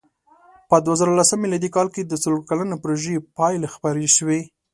په دوهزرهلسم مېلادي کال کې د څلور کلنې پروژې پایلې خپرې شوې.